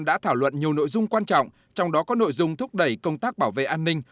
đã thảo luận nhiều nội dung quan trọng trong đó có nội dung thúc đẩy công tác bảo vệ an ninh